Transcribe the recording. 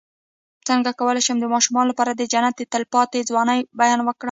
څنګه کولی شم د ماشومانو لپاره د جنت د تل پاتې ځوانۍ بیان کړم